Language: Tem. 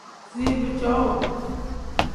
Ziibi cowuu.